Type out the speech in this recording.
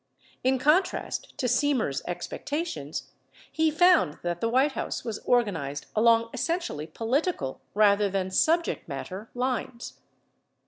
In contrast to Semer's expectations, he found that the White House was organized along essentially political, rather than subject matter, lines.